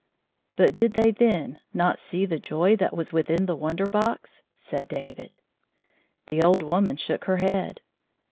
" But did they then not see the joy that was within the Wonder Box ?" said David. The old woman shook her head.